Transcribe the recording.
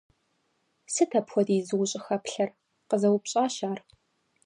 Сыт апхуэдизу ущӀыхэплъэр? – къызэупщӀащ ар.